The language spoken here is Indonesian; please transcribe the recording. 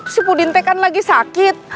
si pudintekan lagi sakit